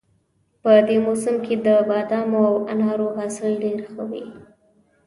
په دې موسم کې د بادامو او انارو حاصل ډېر ښه وي